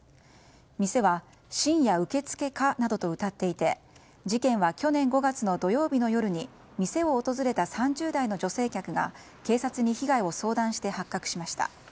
店は深夜受け付け可などとうたっていて事件は去年５月の土曜日の夜に店を訪れた３０代の女性客が警察に被害を相談して発覚しました。